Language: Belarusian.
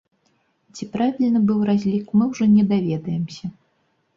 Ці правільны быў разлік, мы ўжо не даведаемся.